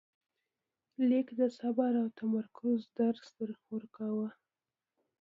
لیک د صبر او تمرکز درس ورکاوه.